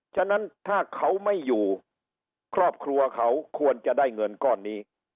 ฉะนั้นถ้าเขาไม่อยู่ครอบครัวเขาควรจะได้เงินก้อนนี้